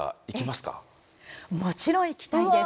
もちろん行きたいです。